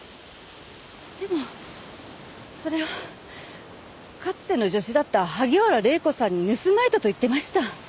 でもそれをかつての助手だった萩原礼子さんに盗まれたと言ってました。